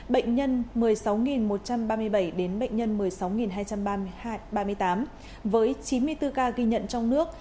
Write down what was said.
bệnh nhân một mươi sáu một trăm ba mươi bảy đến bệnh nhân một mươi sáu hai trăm ba mươi tám với chín mươi bốn ca ghi nhận trong nước